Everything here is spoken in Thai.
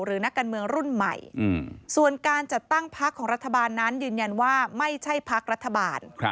นักการเมืองรุ่นใหม่ส่วนการจัดตั้งพักของรัฐบาลนั้นยืนยันว่าไม่ใช่พักรัฐบาล